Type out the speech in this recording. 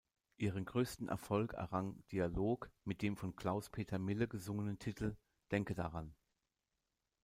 Ihren größten Erfolg errang "Dialog" mit dem von Klaus-Peter Mille gesungenen Titel "Denke daran".